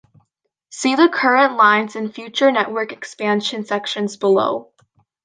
See the Current Lines and Future Network Expansion sections below.